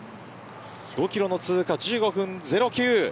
５キロの通過は１５分０９。